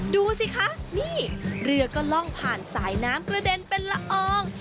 ดูสิคะนี่เรือก็ล่องผ่านสายน้ำกระเด็นเป็นละออง